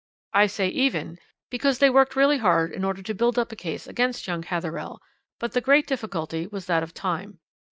"I say 'even' because they worked really hard in order to build up a case against young Hatherell, but the great difficulty was that of time.